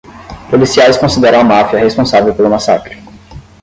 Policiais consideram a máfia responsável pelo massacre.